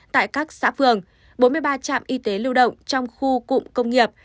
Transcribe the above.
tại các xã phường bốn mươi ba trạm y tế lưu động trong khu cụm công nghiệp